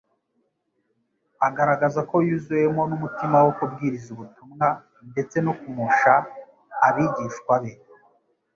Agaragaza ko yuzuwemo n'umutima wo kubwiriza ubutumwa ndetse kumsha abigishwa be.